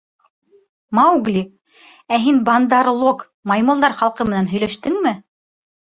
— Маугли, ә һин Бандар-лог, Маймылдар халҡы менән һөйләштеңме?